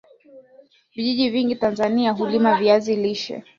Vijiji vingi Tanzania hulima viazi lishe